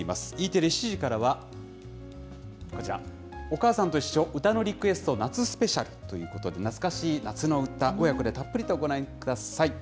Ｅテレ７時からは、こちら、おかあさんといっしょうたのリクエスト夏スペシャルということで、懐かしい夏の歌、親子でたっぷりとご覧ください。